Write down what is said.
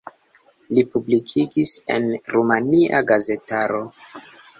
Li publikigis en rumania gazetaro.